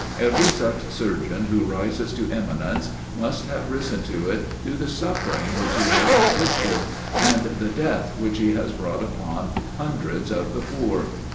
Every such surgeon who rises to eminence, must have risen to it through the suffering which he has inflicted, and the death which he has brought upon hundreds of the poor.